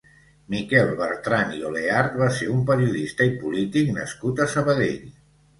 Miquel Bertran i Oleart va ser un periodista i polític nascut a Sabadell.